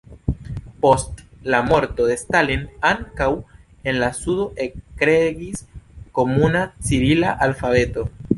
Post la morto de Stalin ankaŭ en la sudo ekregis komuna cirila alfabeto.